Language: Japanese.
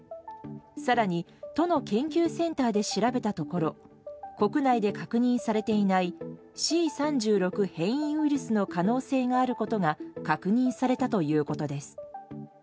更に、都の研究センターで調べたところ国内で確認されていないＣ３６変異ウイルスの可能性があることが確認されたということです。